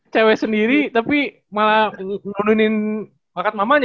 cewek sendiri tapi malah melununin bakat mamanya ya